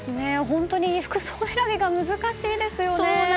本当に服装選びが難しいですよね。